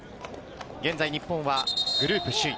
現在、日本はグループ首位。